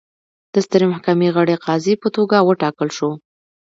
د سترې محکمې غړي قاضي په توګه وټاکل شو.